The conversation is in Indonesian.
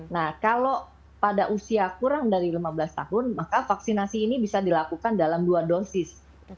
nah kalau pada usia kurang dari lima belas tahun maka vaksinasi ini bisa dilakukan dalam dua dosis